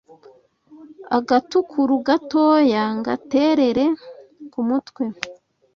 Agatukuru gatoya Ngaterere ku mutwe